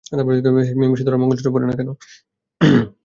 মিমি সিঁদুর আর মঙ্গলসূত্র পরে না কেন?